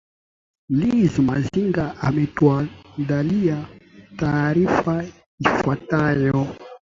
liz masinga ametuandalia taarifa ifuatayo